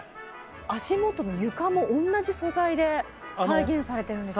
足元の床も同じ素材で再現されてるんですよ